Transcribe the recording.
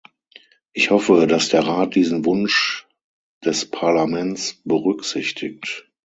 Ich hoffe, dass der Rat diesen Wunsch des Parlaments berücksichtigt.